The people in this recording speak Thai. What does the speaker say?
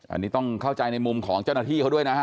อันนี้ต้องเข้าใจในมุมของเจ้าหน้าที่เขาด้วยนะฮะ